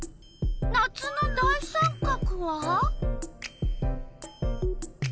夏の大三角は？